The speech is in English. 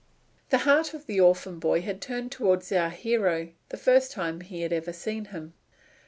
The heart of the orphan boy had turned towards our hero the first time he had ever seen him.